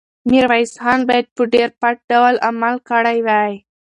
میرویس خان باید په ډېر پټ ډول عمل کړی وی.